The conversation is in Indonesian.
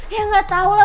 ya gak tau lah